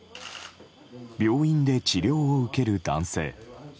病院で治療を受ける男性。